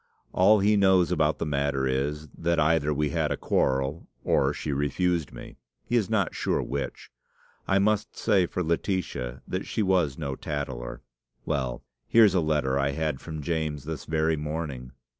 "All he knows about the matter is, that either we had a quarrel, or she refused me; he is not sure which. I must say for Laetitia, that she was no tattler. Well, here's a letter I had from James this very morning.